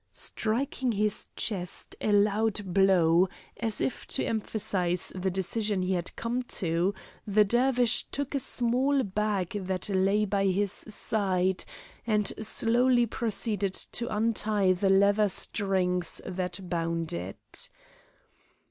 Striking his chest a loud blow, as if to emphasize the decision he had come to, the Dervish took a small bag that lay by his side, and slowly proceeded to untie the leather strings that bound it.